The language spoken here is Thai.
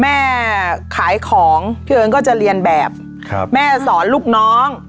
แม่ขายของพี่เอิญก็จะเรียนแบบครับแม่สอนลูกน้อง